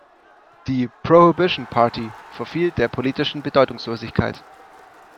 Die Prohibition Party verfiel der politischen Bedeutungslosigkeit.